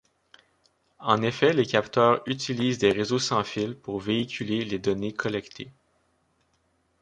En effet les capteurs utilisent des réseaux sans fil pour véhiculer les données collectées.